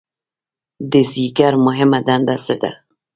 د ځیګر مهمه دنده څه ده؟